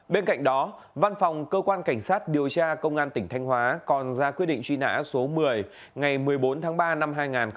bên cạnh đó văn phòng cơ quan cảnh sát điều tra công an tỉnh thanh hóa còn ra quyết định truy nã số một mươi ngày một mươi bốn tháng ba năm hai nghìn một mươi